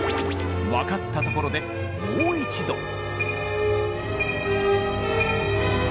分かったところでもう一度！